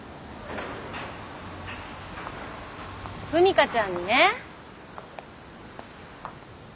風未香ちゃんにね。